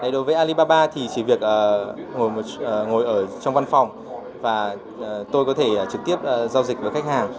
đối với alibaba thì chỉ việc ngồi ở trong văn phòng và tôi có thể trực tiếp giao dịch với khách hàng